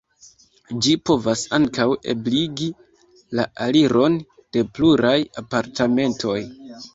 Ĝi povas ankaŭ ebligi la aliron de pluraj apartamentoj.